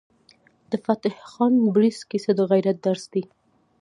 د فتح خان بړیڅ کیسه د غیرت درس دی.